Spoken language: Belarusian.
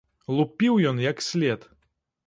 Лупіў ён як след!